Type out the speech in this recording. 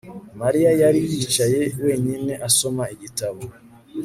Mariya yari yicaye wenyine asoma igitabo